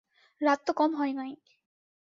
রাত তো কম হয় নাই?